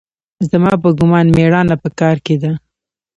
زما په ګومان مېړانه په کار کښې ده.